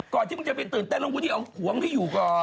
ก่อนที่มึงจะไปตื่นเต้นลงวุฒิเอาหัวมึงที่อยู่ก่อน